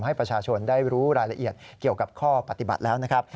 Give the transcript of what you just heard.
ให้ประชาชนได้รู้รายละเอียดเกี่ยวกับข้อปฏิบัติแล้วนะครับ